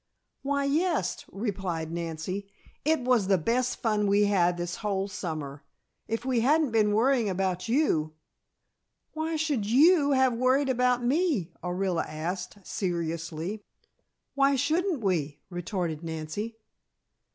"Why, yes," replied Nancy. "It was the best fun we had this whole summer. If we hadn't been worrying about you " "Why should you have worried about me?" Orilla asked, seriously. "Why shouldn't we?" retorted Nancy.